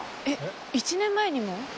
えっ１年前にも？